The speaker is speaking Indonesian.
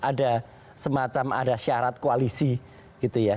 ada semacam ada syarat koalisi gitu ya